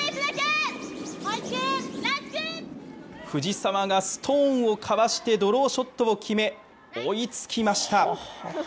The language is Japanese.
藤澤がストーンをかわしてドローショットを決め、追いつきました。